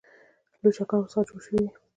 لوچکان ورڅخه جوړ شوي دي.